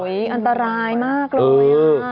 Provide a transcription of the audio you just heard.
น่าไหวต่อมากเลย